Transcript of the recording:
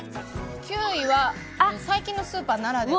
９位は最近のスーパーならでは。